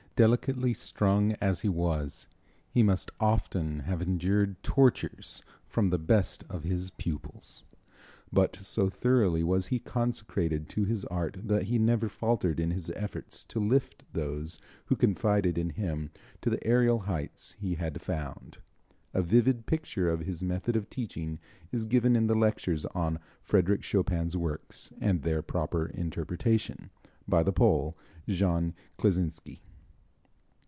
Delicately strung as he was, he must often have endured tortures from the best of his pupils, but so thoroughly was he consecrated to his art that he never faltered in his efforts to lift those who confided in him to the aërial heights he had found. A vivid picture of his method of teaching is given in the lectures on "Frédéric Chopin's Works and Their Proper Interpretation," by the Pole, Jean Kleczynski.